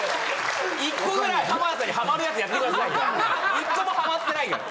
１個もハマってないから。